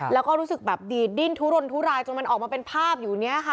แล้วก็รู้สึกแบบดีดดิ้นทุรนทุรายจนมันออกมาเป็นภาพอยู่เนี่ยค่ะ